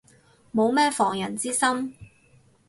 冇乜防人之心